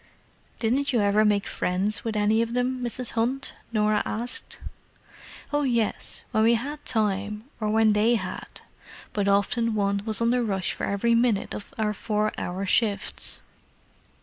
"Didn't you ever make friends with any of them, Mrs. Hunt?" Norah asked. "Oh yes! when we had time, or when they had. But often one was on the rush for every minute of our four hour shifts."